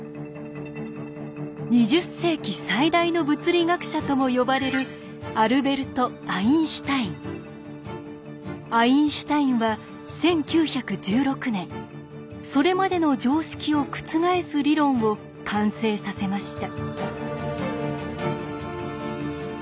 「２０世紀最大の物理学者」とも呼ばれるアインシュタインは１９１６年それまでの常識を覆す理論を完成させました。